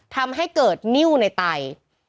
ทำให้เกิดนิ้วในไต